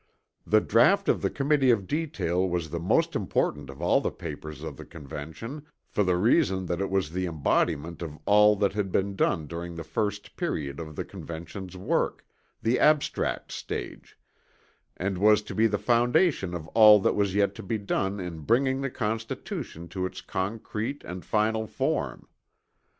The draught of the Committee of Detail was the most important of all the papers of the Convention, for the reason that it was the embodiment of all that had been done during the first period of the Convention's work, the abstract stage, and was to be the foundation of all that was yet to be done in bringing the Constitution to its concrete and final form.